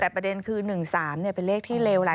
แต่ประเด็นคือ๑๓เป็นเลขที่เลวแหละ